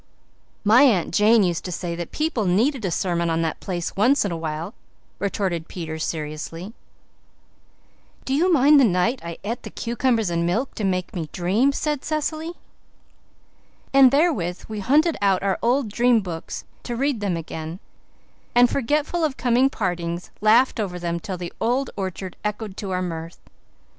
"My Aunt Jane used to say that people needed a sermon on that place once in a while," retorted Peter seriously. "Do you mind the night I et the cucumbers and milk to make me dream?" said Cecily. And therewith we hunted out our old dream books to read them again, and, forgetful of coming partings, laughed over them till the old orchard echoed to our mirth.